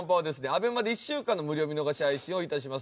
ＡＢＥＭＡで１週間の無料見逃し配信をいたします。